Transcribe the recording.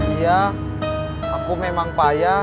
iya aku memang payah